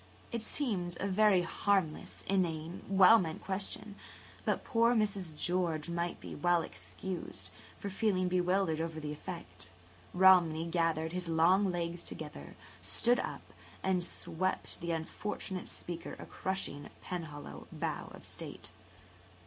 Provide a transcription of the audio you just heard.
It seemed a very harmless, inane, well meant question. Poor Mrs. George might well be excused for feeling bewildered over the effect. Romney gathered his long legs together, stood [Page 139] up, and swept the unfortunate speaker a crushing Penhallow bow of state.